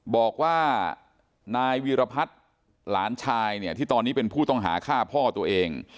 บอกว่านายวีรพัฒน์หลานชายเนี่ยที่ตอนนี้เป็นผู้ต้องหาฆ่าพ่อตัวเอง